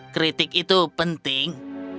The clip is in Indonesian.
kritik itu penting